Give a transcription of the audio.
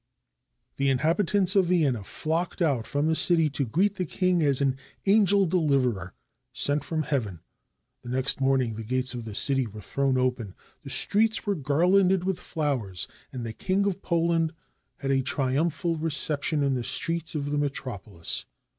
" The inhabitants of Vienna flocked out from the city to greet the king as an angel deliverer sent from heaven. The next morning the gates of the city were thrown open, the streets were garlanded with flowers, and the King of Poland had a triumphal reception in the streets of the metropolis.